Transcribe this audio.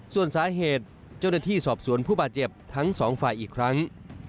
ส่วนสาเหตุเจ้าหน้าที่สอบสวนผู้บาดเจ็บทั้งสองฝ่ายอีกครั้ง